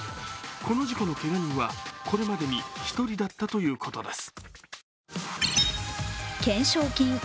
この事故のけが人はこれまでに１人だったということです。